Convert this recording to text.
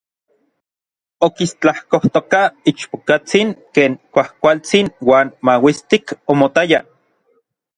Okistlakojtokaj ichpokatsin ken kuajkualtsin uan mauistik omotaya.